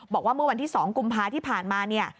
บอกว่าเมื่อวันที่๒กุมภาที่ผ่านมาเนี่ย